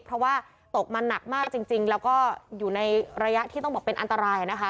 เพราะว่าตกมาหนักมากจริงแล้วก็อยู่ในระยะที่ต้องบอกเป็นอันตรายนะคะ